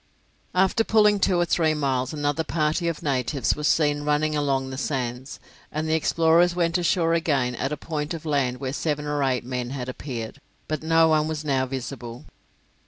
After pulling two or three miles, another party of natives was seen running along the sands, and the explorers went ashore again at a point of land where seven or eight men had appeared, but not one was now visible.